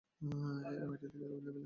এমআইটিকে এই লেভেলের গাধামি করতে দিয়েন না।